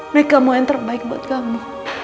mereka mau yang terbaik buat kamu